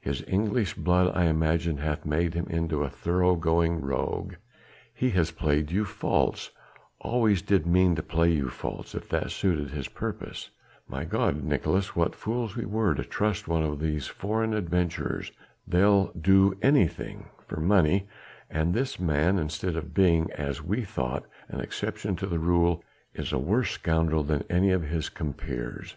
His English blood I imagine hath made him into a thorough going rogue. He has played you false always did mean to play you false if it suited his purpose! By God, Nicolaes! what fools we were to trust one of these foreign adventurers. They'll do anything for money, and this man instead of being as we thought an exception to the rule, is a worse scoundrel than any of his compeers.